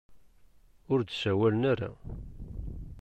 Ur d-sawalen ara.